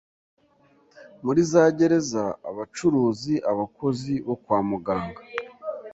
muri za gereza, abacuruzi, abakozi bo kwa muganga